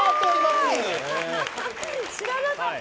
知らなかった。